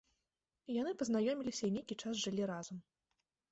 Яны пазнаёміліся і нейкі час жылі разам.